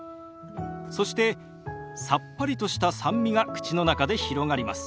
そしてさっぱりとした酸味が口の中で広がります。